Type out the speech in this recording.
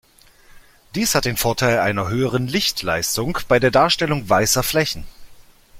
Dies hat den Vorteil einer höheren Lichtleistung bei der Darstellung weißer Flächen.